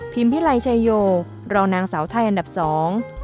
พิไลชายโยรองนางสาวไทยอันดับสอง